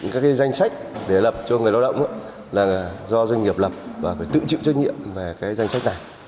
các danh sách để lập cho người lao động là do doanh nghiệp lập và phải tự chịu trách nhiệm về danh sách này